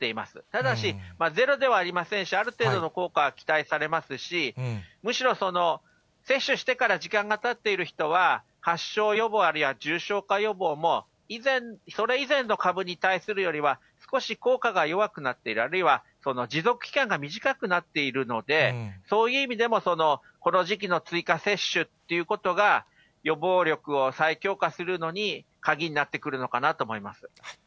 ただし、ゼロではありませんし、ある程度の効果は期待されますし、むしろ接種してから時間がたっている人は、発症予防、あるいは重症化予防も、それ以前の株に対するよりは少し効果が弱くなっている、あるいは、持続期間が短くなっているので、そういう意味でも、この時期の追加接種ということが、予防力を再強化するのに鍵になってくるのかなと思います。